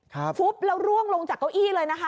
ฟุบแล้วร่วงลงจากเก้าอี้เลยนะคะ